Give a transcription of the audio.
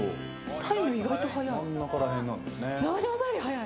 タイム、意外と速い。